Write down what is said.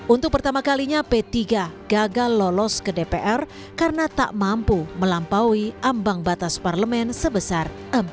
untuk pertama kalinya p tiga gagal lolos ke dpr karena tak mampu melampaui ambang batas parlemen sebesar